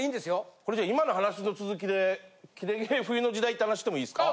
それじゃ今の話の続きでキレ芸・冬の時代って話してもいいですか？